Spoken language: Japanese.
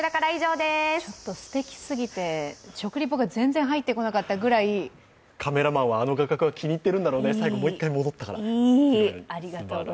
すてきすぎて、食リポが全然入ってこなかったぐらいカメラマンはあの画角が気に入ってるんだろうね、最後、もう一回戻ったから。